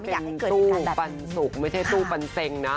เป็นตู้ปันสุกไม่ใช่ตู้ปันเซ็งนะ